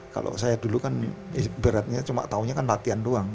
kalau saya dulu kan ibaratnya cuma tahunya kan latihan doang